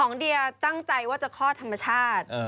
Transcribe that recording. เดียตั้งใจว่าจะคลอดธรรมชาติ